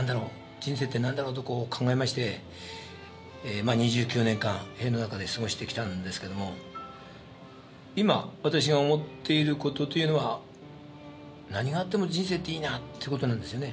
人生って何だろうと考えましてまあ２９年間塀の中で過ごしてきたんですけども今私が思っている事というのは何があっても人生っていいなって事なんですよね。